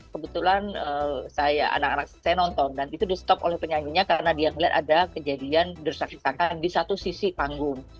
kebetulan saya anak anak saya nonton dan itu di stop oleh penyanyinya karena dia melihat ada kejadian desak desakan di satu sisi panggung